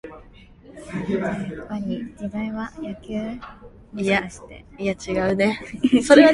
그러자 산 사람의 눈에서 떨어진 닭의 똥 같은 눈물이 죽은 이의 뻣뻣한 얼굴을 적시었다.